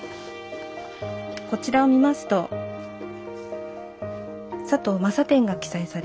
こちらを見ますと「佐藤柾店」が記載されております。